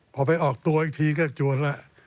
พอไปออกตัวอีกทีก็จวนแล้ว